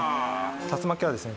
竜巻はですね